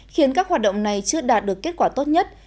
khiến các hoạt động này chưa đạt được kết quả tốt nhất